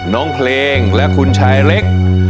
น้องเพลงและคุณชายเล็ก